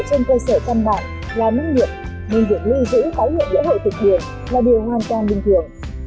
trên cơ sở căn bản là minh nghiệp nhưng việc lưu giữ tái hiệu lễ hội thực hiện là điều hoàn toàn bình thường